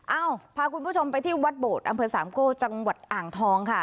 เอ้าพาคุณผู้ชมไปที่วัดโบดอำเภอสามโก้จังหวัดอ่างทองค่ะ